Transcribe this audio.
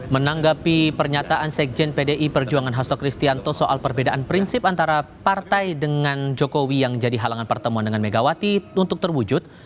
menanggapi pernyataan sekjen pdi perjuangan hasto kristianto soal perbedaan prinsip antara partai dengan jokowi yang jadi halangan pertemuan dengan megawati untuk terwujud